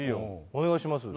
お願いします